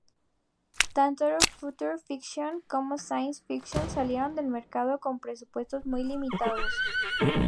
Tanto "Future Fiction" como "Science Fiction" salieron al mercado con presupuestos muy limitados.